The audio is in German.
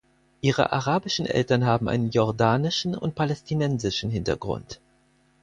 Ihre arabischen Eltern haben einen jordanischen und palästinensischen Hintergrund.